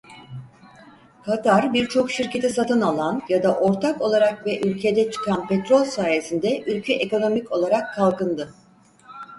Katar birçok şirketi satın alan ya da ortak olarak ve ülkede çıkan petrol sayesinde ülke ekonomik olarak kalkındı.